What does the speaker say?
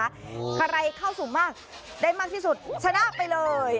ใครเข้าสู่มากได้มากที่สุดชนะไปเลย